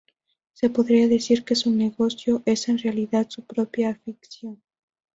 Se podría decir que su negocio es en realidad su propia afición.